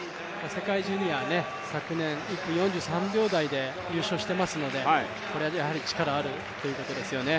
世界ジュニア、昨年１分４３秒台で優勝していますので力があるということですよね。